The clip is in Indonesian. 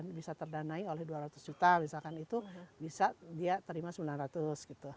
bisa terdanai oleh dua ratus juta misalkan itu bisa dia terima sembilan ratus gitu